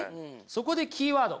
そこでキーワード